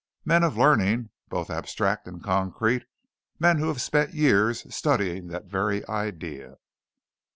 Men of learning, both abstract and concrete; men who have spent years studying that very idea."